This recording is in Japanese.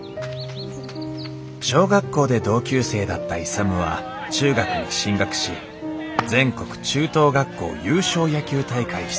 小学校で同級生だった勇は中学に進学し全国中等学校優勝野球大会出場を目指しています。